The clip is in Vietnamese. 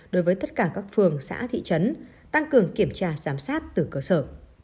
đối với tất cả các phường xã thị trấn tăng cường kiểm tra giám sát từ cơ sở